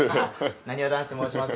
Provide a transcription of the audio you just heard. なにわ男子と申します。